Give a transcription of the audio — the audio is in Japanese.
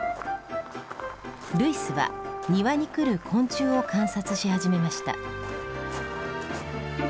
ルイスは庭に来る昆虫を観察し始めました。